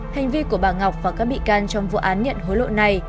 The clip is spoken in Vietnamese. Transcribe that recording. hành vi của bà ngọc và các bị can trong vụ án nhận hối lộ này